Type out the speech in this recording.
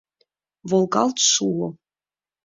Волгалт шуо.